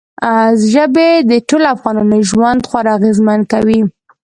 ژبې د ټولو افغانانو ژوند خورا اغېزمن کوي.